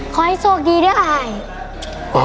คอยโชคดีด้วยค่ะ